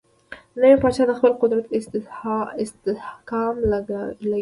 نوی پاچا د خپل قدرت استحکام لګیا وو.